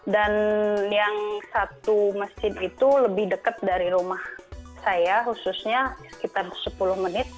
dan yang satu masjid itu lebih dekat dari rumah saya khususnya sekitar sepuluh menit